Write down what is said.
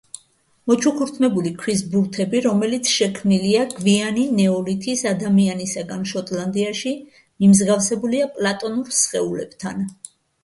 მოჩუქურთმებული ქვის ბურთები, რომელიც შექმნილია გვიანი ნეოლითის ადამიანისაგან შოტლანდიაში, მიმსგავსებულია პლატონურ სხეულებთან.